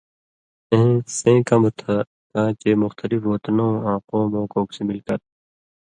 اېں سېں کمہۡ تھہ کاں چے مختلف وطنؤں آں قومؤں کوکسی مِل کر چھی۔